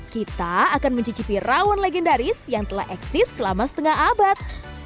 kita akan mencicipi rawon legendaris yang telah eksis selama setengah abad